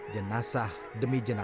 jenasah demi jenazah